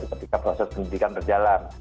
ketika proses pendidikan berjalan